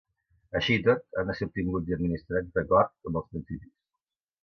Així i tot, han de ser obtinguts i administrats d'acord amb els principis.